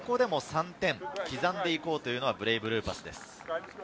ここでも３点、刻んでいこうというのがブレイブルーパスです。